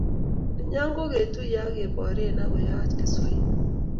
Nenyo ko ketuiyekei keborie ak koyoch kiswahili